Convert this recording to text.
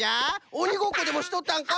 おにごっこでもしとったんか？